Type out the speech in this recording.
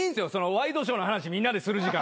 ワイドショーの話みんなでする時間。